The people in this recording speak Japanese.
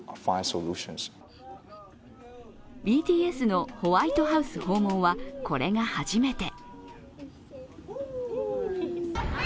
ＢＴＳのホワイトハウス訪問は、これが初めて。